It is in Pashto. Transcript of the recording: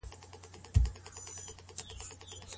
که ميرمن په ژبه نه پوهيږي څنګه پتمنه وي؟